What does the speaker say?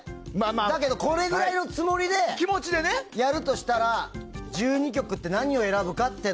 だけど、これぐらいのつもりでやるとしたら１２曲って何を選ぶか。